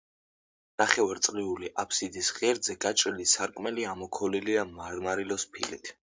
ნახევარწრიული აფსიდის ღერძზე გაჭრილი სარკმელი ამოქოლილია მარმარილოს ფილით.